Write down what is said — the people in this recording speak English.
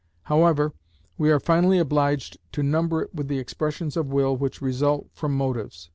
However, we are finally obliged to number it with the expressions of will which result from motives.